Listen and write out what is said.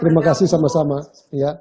terima kasih sama sama ya